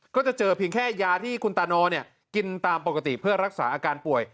ก็จะเจอเพียงแค่ยาที่คุณตานอกินตามปกติเพื่อรักษาอาการป่วย